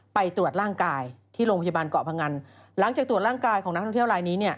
ไปตรวจร่างกายที่โรงพยาบาลเกาะพงันหลังจากตรวจร่างกายของนักท่องเที่ยวลายนี้เนี่ย